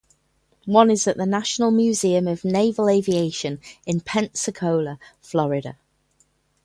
One is at the National Museum of Naval Aviation in Pensacola, Florida.